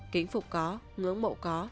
kính phục có ngưỡng mộ có